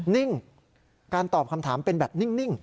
นิ่งการตอบคำถามเป็นแบบนิ่ง